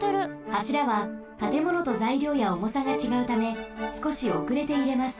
はしらはたてものとざいりょうやおもさがちがうためすこしおくれてゆれます。